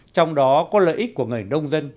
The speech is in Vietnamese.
trong đó có lợi ích của người nông dân